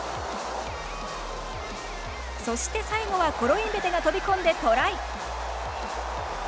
そして最後はコロインベテが飛び込んでトライ。